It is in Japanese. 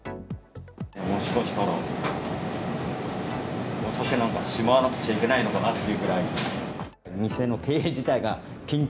もしかしたら、お酒なんかしまわなくちゃいけないのかなっていうぐらい。